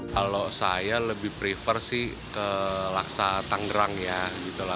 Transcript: kalau saya lebih prefer sih ke laksa tanggerang ya